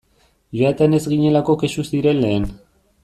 Joaten ez ginelako kexu ziren lehen.